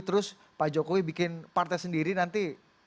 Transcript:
terus pak jokowi bikin partai sendiri nanti